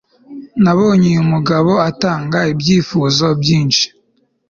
nabonye uyu mugabo atanga ibyifuzo byinshi